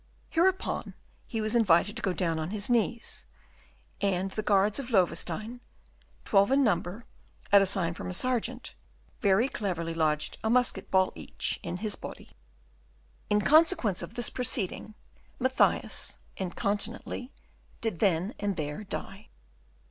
Hereupon he was invited to go down on his knees, and the guards of Loewestein, twelve in number, at a sign from a sergeant, very cleverly lodged a musket ball each in his body. In consequence of this proceeding, Mathias incontinently did then and there die.